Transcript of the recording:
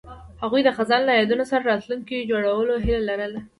هغوی د خزان له یادونو سره راتلونکی جوړولو هیله لرله.